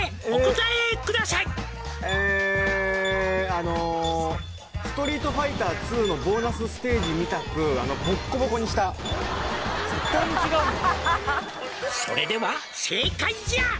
ええあのストリートファイターⅡのボーナスステージみたく絶対に違うよ「それでは正解じゃ」